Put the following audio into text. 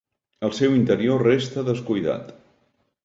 El seu interior resta descuidat.